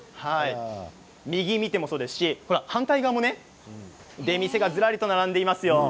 右を見てもそうですし、反対側も出店がずらりと並んでいますよ。